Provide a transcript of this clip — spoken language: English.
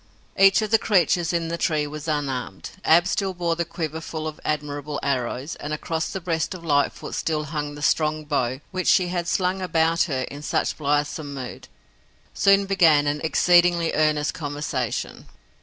Each of the creatures in the tree was unarmed. Ab still bore the quiver full of admirable arrows, and across the breast of Lightfoot still hung the strong bow which she had slung about her in such blithesome mood. Soon began an exceedingly earnest conversation.